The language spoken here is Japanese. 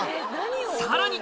さらに！